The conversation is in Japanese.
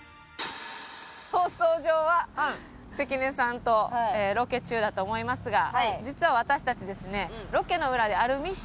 放送上は関根さんとロケ中だと思いますが実は私たちですね。